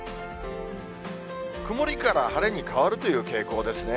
曇りから晴れに変わるという傾向ですね。